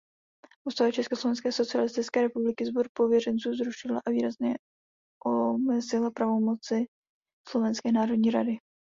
Ústava Československé socialistické republiky Sbor pověřenců zrušila a výrazně omezila pravomoci Slovenské národní rady.